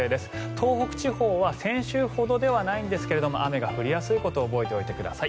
東北地方は先週ほどではないんですけど雨が降りやすいことを覚えておいてください。